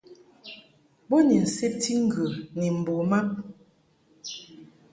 Bo ni nsebti ŋgə ni mbo mab.